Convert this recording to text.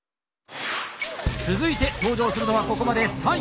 続いて登場するのはここまで３位！